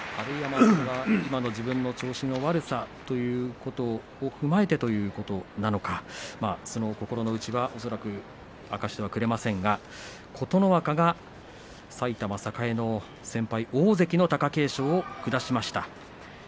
今の自分の調子の悪さということを踏まえてということなのかその心の内は恐らく明かしてはくれませんが琴ノ若が埼玉栄の先輩大関貴景勝を下しました。